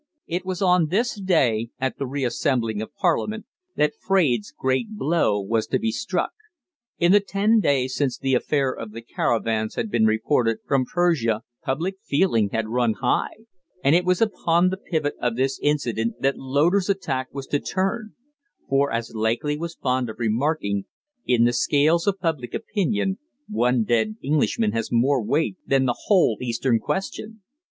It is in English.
It was on this day, at the reassembling of Parliament, that Fraide's great blow was to be struck. In the ten days since the affair of the caravans had been reported from Persia public feeling had run high, and it was upon the pivot of this incident that Loder's attack was to turn; for, as Lakely was fond of remarking, "In the scales of public opinion, one dead Englishman has more weight than the whole Eastern Question!"